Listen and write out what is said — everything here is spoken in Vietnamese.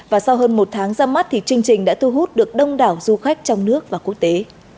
và sau hơn một tháng ra mắt thì chương trình đã thu hút được đông đảo du khách trong nước và quốc tế